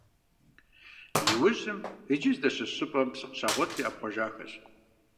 Иужьым, иджы здэщыс щӏыпӏэм псы къыщагъуэтри ӏэпхъуэжахэщ.